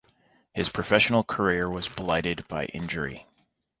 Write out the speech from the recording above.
His professional career was blighted by injury.